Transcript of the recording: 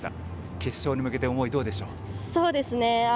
決勝に向けて思い、どうでしょう？